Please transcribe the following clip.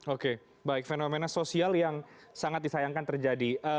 oke baik fenomena sosial yang sangat disayangkan terjadi